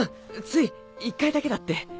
つい１回だけだって。